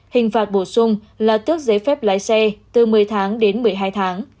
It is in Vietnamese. hình phạt bổ sung là tước giấy phép lái xe từ một mươi tháng đến một mươi hai tháng